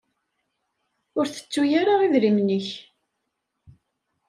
Ur tettu ara idrimen-ik.